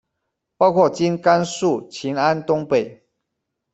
包括今甘肃秦安东北。